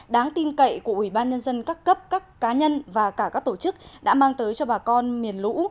đáng tin cậy của ủy ban nhân dân các cấp các cá nhân và cả các tổ chức đã mang tới cho bà con miền lũ